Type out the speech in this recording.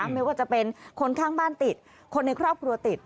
ไม่ว่าจะเป็นคนข้างบ้านติดคนในครอบครัวติด